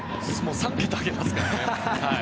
３桁上げますからね。